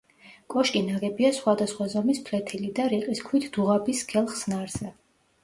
კოშკი ნაგებია სხვადასხვა ზომის ფლეთილი და რიყის ქვით დუღაბის სქელ ხსნარზე.